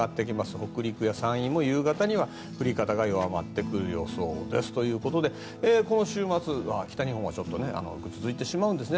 北陸や山陰も夕方には降り方が弱まってくる予想ですということで今週末は北日本はちょっとぐずついてしまうんですね。